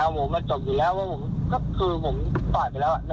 ผมมาจบอยู่แล้วว่าคือผมต่อไปแล้วอะ๑๐อ่า